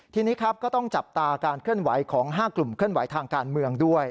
ทีนี้ครับก็ต้องจับตาการเคลื่อนไหวของ๕กลุ่มเคลื่อนไหวทางการเมืองด้วย